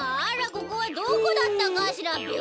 ここはどこだったかしらべ。